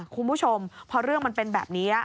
คุณผู้ชมพอเรื่องมันเป็นแบบนี้